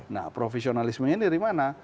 nah profesionalisme ini dari mana